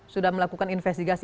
sudah melakukan investigasi